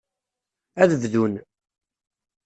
Ad bdun.